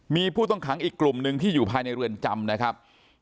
มีผู้ต้องขังอีกกลุ่มหนึ่งที่อยู่ภายในเรือนจำนะครับ